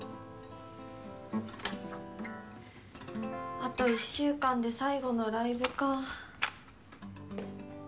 あと１週間で最後のライブかぁ。